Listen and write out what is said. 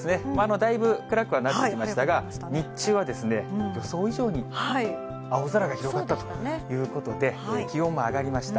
だいぶ暗くはなってきましたが、日中は予想以上に青空が広がったということで、気温も上がりました。